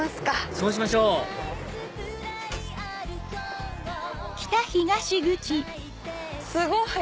そうしましょうすごい！